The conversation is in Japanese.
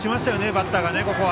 バッターが。